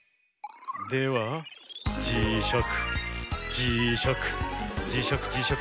ではじしゃくじしゃくじしゃくじしゃく